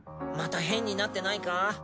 また変になってないか？